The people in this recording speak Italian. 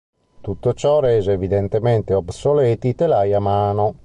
Tutto ciò rese evidentemente obsoleti i telai a mano.